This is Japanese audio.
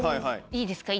いいですか？